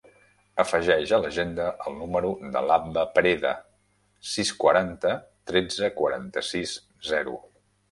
Afegeix a l'agenda el número de l'Abba Pereda: sis, quaranta, tretze, quaranta-sis, zero.